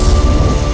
aku akan menangkanmu